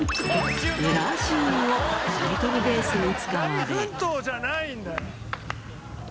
エラーシーンをタイトルベースに使われ。